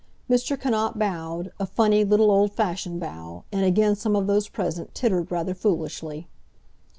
Mr. Cannot bowed, a funny, little, old fashioned bow, and again some of those present tittered rather foolishly.